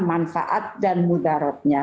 manfaat dan mudaratnya